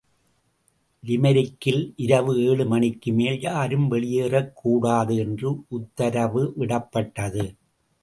லிமெரிக்கில் இரவு ஏழு மணிக்கு மேல் யாரும் வெளியேறக்கூடாது என்று உத்தரவுவிடப்பட்டது.